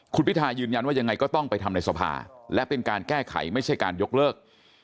คุณพิทายืนยันว่ายังไงก็ต้องไปทำในสภาและเป็นการแก้ไขไม่ใช่การยกเลิก